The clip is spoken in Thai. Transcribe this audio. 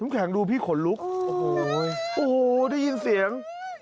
แข็งดูพี่ขนลุกโอ้โหได้ยินเสียง